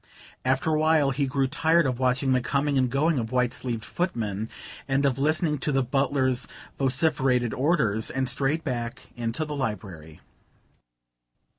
After a while he grew tired of watching the coming and going of white sleeved footmen, and of listening to the butler's vociferated orders, and strayed back into the library.